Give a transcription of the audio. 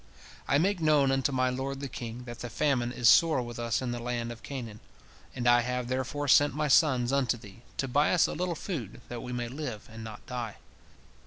I make known unto my lord the king that the famine is sore with us in the land of Canaan, and I have therefore sent my sons unto thee, to buy us a little food, that we may live, and not die.